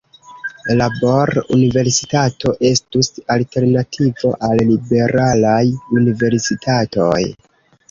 Labor-universitato estus alternativo al "liberalaj" universitatoj.